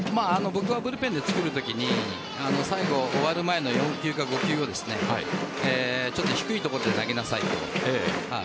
僕はブルペンで作るときに最後、終わる前の４球か５球を低いところで投げなさいと。